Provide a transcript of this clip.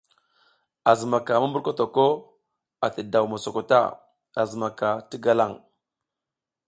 A zimaka mumburkotok ati daw mosoko ta, a zimaka ti galaŋ.